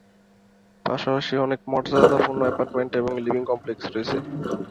পাশাপাশি অনেক মর্যাদাপূর্ণ অ্যাপার্টমেন্ট এবং লিভিং কমপ্লেক্স রয়েছে।